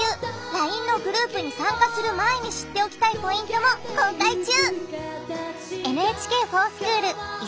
ＬＩＮＥのグループに参加する前に知っておきたいポイントも公開中